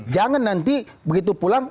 jangan nanti begitu pulang